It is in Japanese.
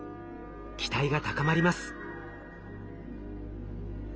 期待が高まります。